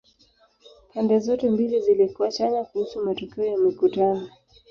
Pande zote mbili zilikuwa chanya kuhusu matokeo ya mikutano.